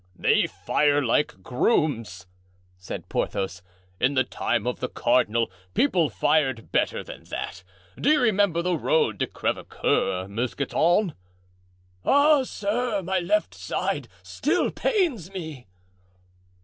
"They fire like grooms," said Porthos. "In the time of the cardinal people fired better than that, do you remember the road to Crevecoeur, Mousqueton?" "Ah, sir! my left side still pains me!"